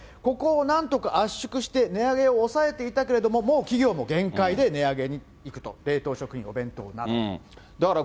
ここをなんとか圧縮して値上げを抑えていたけれども、もう企業も限界で、値上げにいくと、冷凍食品、お弁当など。